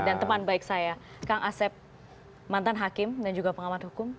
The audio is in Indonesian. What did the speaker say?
dan teman baik saya kang asep mantan hakim dan juga pengamat hukum